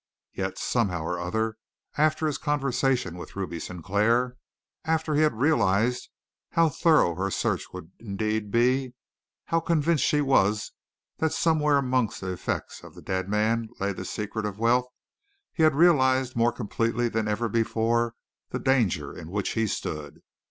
Yet somehow or other, after his conversation with Ruby Sinclair, after he had realized how thorough her search would indeed be, how convinced she was that somewhere amongst the effects of the dead man lay the secret of wealth, he had realized more completely than ever before the danger in which he stood.